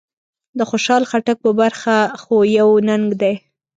د خوشحال خټک په برخه خو يو ننګ دی.